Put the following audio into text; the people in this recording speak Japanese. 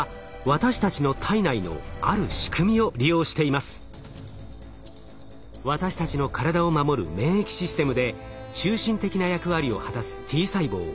私たちの体を守る免疫システムで中心的な役割を果たすＴ細胞。